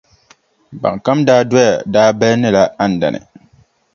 Ban kam daa doya daa balindila Andani.